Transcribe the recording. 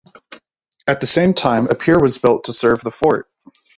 At the same time a pier was built to serve the fort.